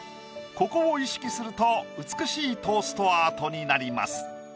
ここを意識すると美しいトーストアートになります。